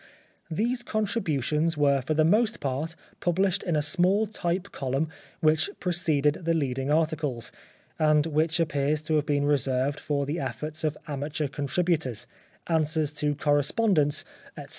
These contributions were for the most part published in a small type column which pre ceded the leading articles, and which appears to have been reserved for the efforts of amateur contributors, answers to correspondents, etc.